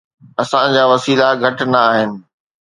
اسان جا وسيلا گهٽ نه آهن.